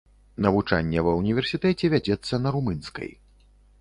Навучанне ва ўніверсітэце вядзецца на румынскай.